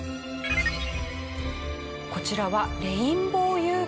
こちらはレインボーユーカリ。